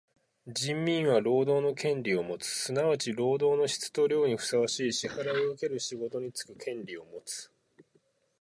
人民は労働の権利をもつ。すなわち労働の質と量にふさわしい支払をうける仕事につく権利をもつ。